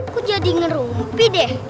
kok jadi ngerumpi deh